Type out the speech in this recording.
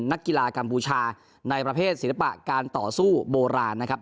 นักกีฬากัมพูชาในประเภทศิลปะการต่อสู้โบราณนะครับ